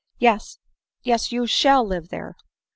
— yes, yes, you shall live there